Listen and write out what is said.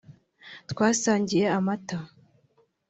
twasangiye amata